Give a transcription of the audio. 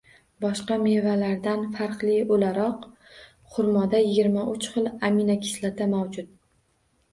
Boshqa mevalardan farqli oʻlaroq, xurmoda yigirma uch xil aminokislota mavjud.